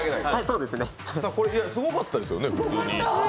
すごかったですよね普通に。